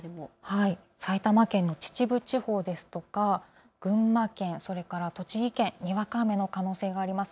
埼玉県の秩父地方ですとか、群馬県、それから栃木県、にわか雨の可能性があります。